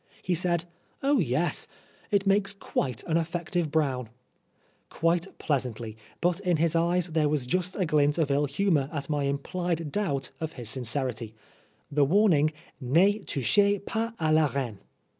He said, "Oh, yes. It makes quite an effective brown," quite pleasantly ; but in his eyes there was iust a glint of ill humour at my implied doubt of his sincerity the warning, Ne toiichez pas a la reine.